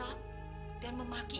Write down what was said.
mencuci dan mencium kaki ibu